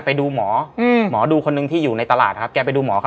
ไปดูหมอหมอดูคนหนึ่งที่อยู่ในตลาดครับแกไปดูหมอเขา